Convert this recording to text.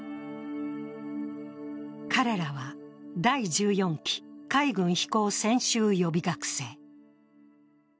彼らは第１４期海軍飛行専修予備学生。